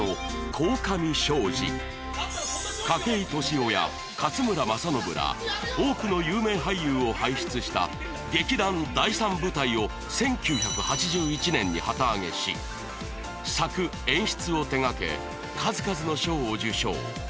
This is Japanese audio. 筧利夫や勝村政信ら多くの有名俳優を輩出した劇団「第三舞台」を１９８１年に旗揚げし作・演出を手がけ数々の賞を受賞